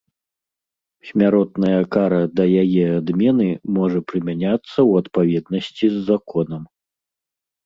Смяротная кара да яе адмены можа прымяняцца ў адпаведнасці з законам